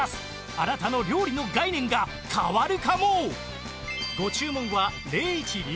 あなたの料理の概念が変わるかも！